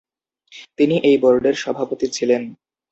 তিনি এই বোর্ডের সভাপতি ছিলেন।